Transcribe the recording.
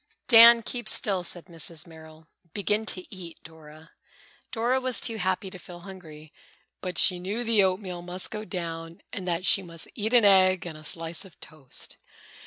"Dan, keep still," said Mrs. Merrill. "Begin to eat, Dora." Dora was too happy to feel hungry, but she knew the oatmeal must go down and that she must eat an egg and a slice of toast.